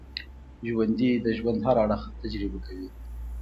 ژوندي د ژوند هر اړخ تجربه کوي